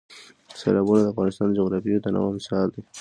سیلابونه د افغانستان د جغرافیوي تنوع مثال دی.